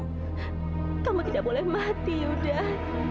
kamu tidak boleh mati udan